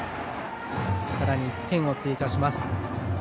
さらに１点を追加します。